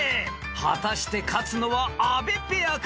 ［果たして勝つのは阿部ペアか？